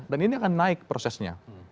dan ini akan naik prosesnya